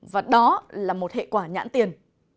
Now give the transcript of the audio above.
và đó là một hệ quả nhãn tiền